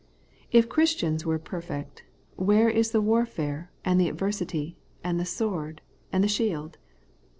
If Christians were perfect, where is the warfare, and the adversary, and the sword, and the shield